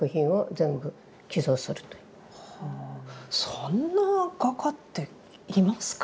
そんな画家っていますか？